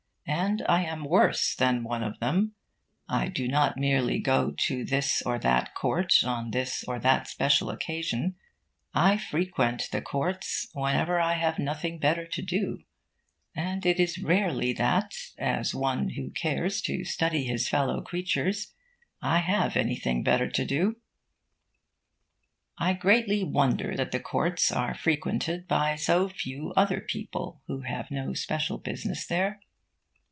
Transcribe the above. And I am worse than one of them. I do not merely go to this or that court on this or that special occasion. I frequent the courts whenever I have nothing better to do. And it is rarely that, as one who cares to study his fellow creatures, I have anything better to do. I greatly wonder that the courts are frequented by so few other people who have no special business there.